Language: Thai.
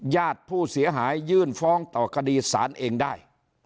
ญาติผู้เสียหายยื่นฟ้องต่อคดีศาลเองได้